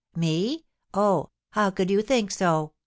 "Me? Oh! How could you think so?